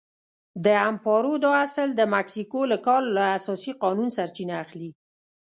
د امپارو دا اصل د مکسیکو له کال له اساسي قانون سرچینه اخلي.